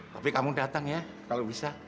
tapi kamu datang ya kalau bisa